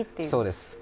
そうです。